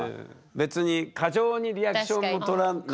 別に過剰にリアクションもとらないし。